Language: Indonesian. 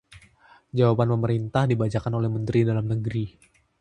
jawaban pemerintah dibacakan oleh Menteri Dalam Negeri